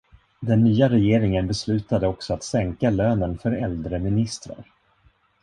Den nya regeringen beslutade också att sänka lönen för äldre ministrar.